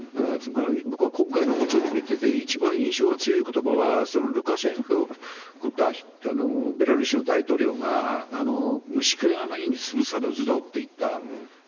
僕は今回のことで見てて、一番印象が強いことばは、そのルカシェンコ、ベラルーシの大統領が、虫けらのように潰されるぞと言った。